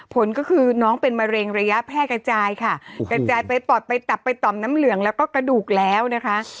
ผลก็คือน้องเป็นมะเร็งระยะแพร่กระจายค่ะกระจายไปปอดไปตับไปต่อมน้ำเหลืองแล้วก็กระดูกแล้วนะคะ